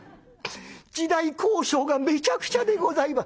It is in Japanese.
時代考証がめちゃくちゃでございます」。